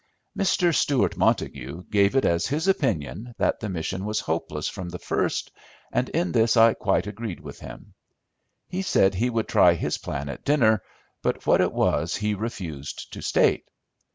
Mr. Stewart Montague gave it as his opinion that the mission was hopeless from the first, and in this I quite agreed with him. He said he would try his plan at dinner, but what it was he refused to state.